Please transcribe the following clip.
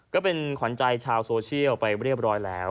ก็เป็นขวัญใจชาวโซเชียลไปเรียบร้อยแล้ว